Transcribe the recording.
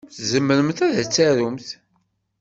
Tzemremt ad tarumt?